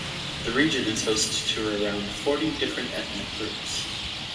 The region is host to around forty different ethnic groups.